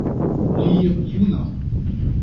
Lizher Yuna.